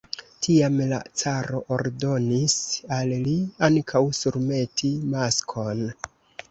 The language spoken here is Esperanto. Tiam la caro ordonis al li ankaŭ surmeti maskon.